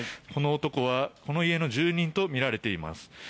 この男はこの家の住人とみられています。